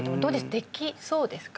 できそうですか？